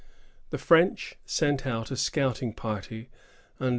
The French sent out a scouting party under M.